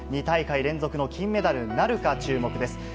２大会連続の金メダルなるか注目です。